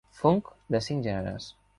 Funk, de cinc gèneres.